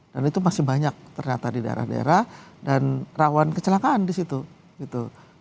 dan itu masih banyak ternyata di daerah daerah dan rawan kecelakaan di situ